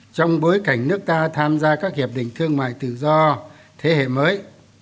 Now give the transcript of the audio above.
trong bối cảnh nước ta tham gia các hiệp định thương mại tự do thế hệ mới